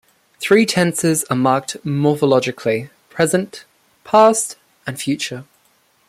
Three tenses are marked morphologically: present, past, and future.